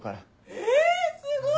えすごい！